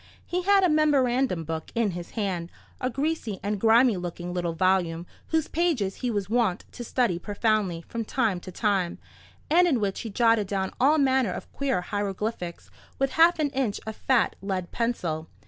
He had a memorandum book in his hand—a greasy and grimy looking little volume, whose pages he was wont to study profoundly from time to time, and in which he jotted down all manner of queer hieroglyphics with half an inch of fat lead pencil.